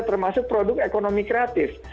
termasuk produk ekonomi kreatif